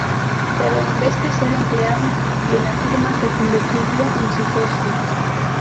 Pero en vez de ser empleado de la firma, se convertiría en su socio.